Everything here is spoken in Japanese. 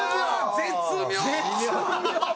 絶妙！